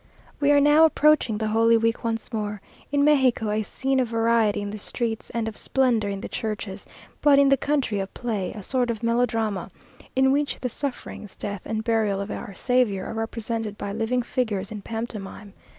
We are now approaching the holy week once more in Mexico a scene of variety in the streets and of splendour in the churches; but in the country a play, a sort of melodrama, in which the sufferings, death, and burial of our Saviour are represented by living figures in pantomime.